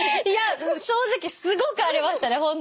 いや正直すごくありましたね